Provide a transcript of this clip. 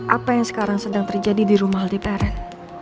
apa yang sekarang sedang terjadi di rumah aldebaran